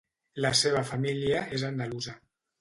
La seva família és andalusa.